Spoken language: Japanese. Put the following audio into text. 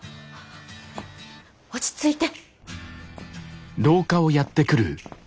落ち着いて。